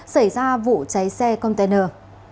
xảy ra vụ cháy xe container